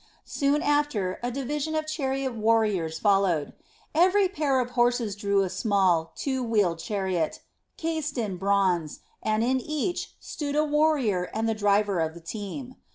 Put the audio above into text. Soon after a division of chariot warriors followed. Every pair of horses drew a small, two wheeled chariot, cased in bronze, and in each stood a warrior and the driver of the team.